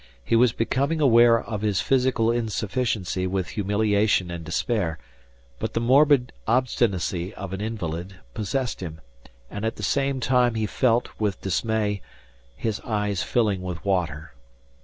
He was becoming aware of his physical insufficiency with humiliation and despair but the morbid obstinacy of an invalid possessed him and at the same time he felt, with dismay, his eyes filling with water.